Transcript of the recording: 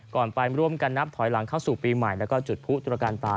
ไปร่วมกันนับถอยหลังเข้าสู่ปีใหม่แล้วก็จุดผู้ตุรการตา